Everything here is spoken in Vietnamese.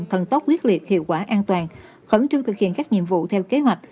thần tốc quyết liệt hiệu quả an toàn khẩn trương thực hiện các nhiệm vụ theo kế hoạch